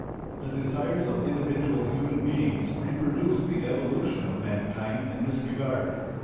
The desires of individual human beings reproduce the evolution of mankind in this regard.